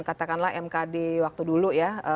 katakanlah mkd waktu dulu ya